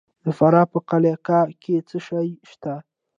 د فراه په قلعه کاه کې څه شی شته؟